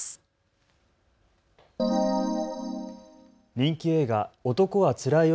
人気映画、男はつらいよ